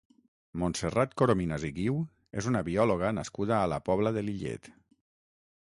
Montserrat Corominas i Guiu és una biòloga nascuda a la Pobla de Lillet.